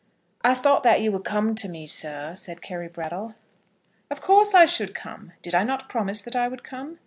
"I thought that you would come to me, sir," said Carry Brattle. "Of course I should come. Did I not promise that I would come?